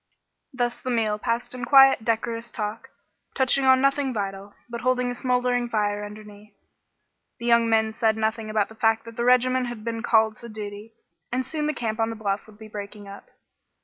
Thus the meal passed in quiet, decorous talk, touching on nothing vital, but holding a smoldering fire underneath. The young men said nothing about the fact that the regiment had been called to duty, and soon the camp on the bluff would be breaking up.